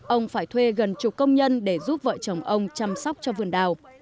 ông phải thuê gần chục công nhân để giúp vợ chồng ông chăm sóc cho vườn đào